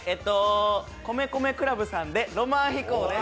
米米ＣＬＵＢさんで「浪漫飛行」です！